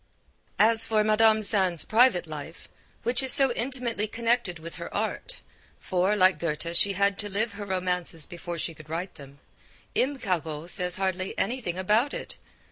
As for Madame Sand's private life, which is so intimately connected with her art (for, like Goethe, she had to live her romances before she could write them), M. Caro says hardly anything about it.